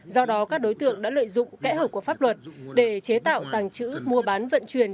do đó các đối tượng đã lợi dụng kẽ hở của pháp luật để chế tạo tàng trữ mua bán vận chuyển